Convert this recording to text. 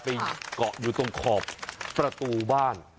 เกาะอยู่ตรงขอบประตูบ้าน